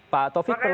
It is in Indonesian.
pak taufik pernah